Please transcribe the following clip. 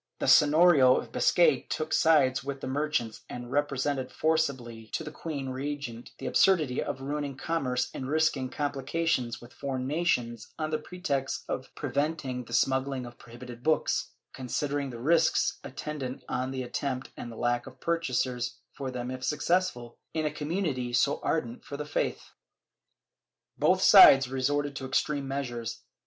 The Seiiorio of Biscay took sides with the merchants and represented forcibly to the queen regent the absurdity of ruining commerce and risking comphcations with foreign nations on the pretext of preventing the smuggUng of prohibited books, considering the risks attendant on the attempt and the lack of purchasers for them if successful, in a community so ardent for the faith.* Both sides resorted to extreme measures.